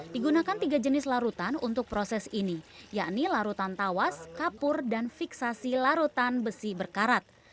digunakan tiga jenis larutan untuk proses ini yakni larutan tawas kapur dan fiksasi larutan besi berkarat